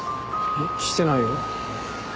してないよ。